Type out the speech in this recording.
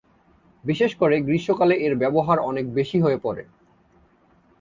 বিশেষ করে গ্রীষ্মকালে এর ব্যবহার অনেক বেশি হয়ে পড়ে।